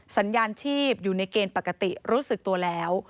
สัญญาณชีพอยู่ในเกณฑ์ปกติรู้สึกตัวแล้ว